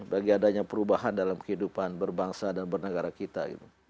bagi adanya perubahan dalam kehidupan berbangsa dan bernegara kita